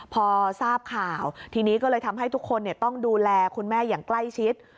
พอทราบข่าวทีนี้ก็เลยทำให้ทุกคนต้องดูแลคุณแม่อย่างใกล้ชิด